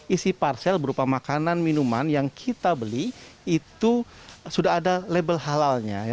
isi parcel berupa makanan minuman yang kita beli itu sudah ada label halalnya